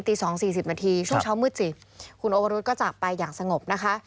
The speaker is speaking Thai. ตี๒๔๐นาทีช่วงเช้ามืดสิบคุณโอวรุธก็จับไปอย่างสงบนะคะ